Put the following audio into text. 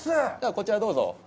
こちらどうぞ。